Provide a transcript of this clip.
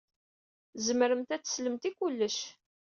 Tzemremt ad teslemt i kullec.